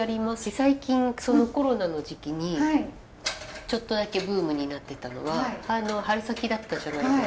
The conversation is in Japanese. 最近コロナの時期にちょっとだけブームになってたのは春先だったじゃないですか